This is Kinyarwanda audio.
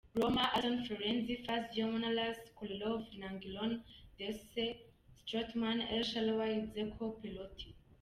Roma: Alisson; Florenzi, Fazio, Manolas, Kolarov; Nainggolan, De Rossi, Strootman; El Shaarawy, Džeko, Perotti.